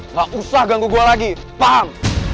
nggak usah ganggu gue lagi paham